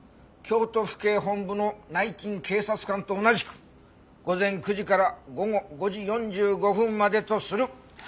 京都府警本部の内勤警察官と同じく午前９時から午後５時４５分までとする」